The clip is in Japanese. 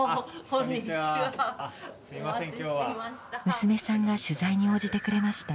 娘さんが取材に応じてくれました。